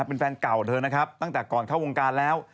เป็นแฟนเก่าเธอนะครับตั้งแต่ก่อนเข้าวงการแล้ว